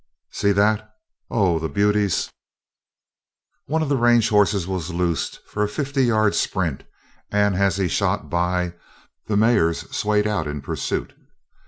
See that! Oh, the beauties!" One of the range horses was loosed for a fifty yard sprint and as he shot by, the mares swayed out in pursuit.